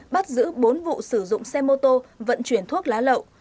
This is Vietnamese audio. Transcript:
bắt giữ bốn vụ sử dụng xe mô tô vận chuyển thuốc lá lậu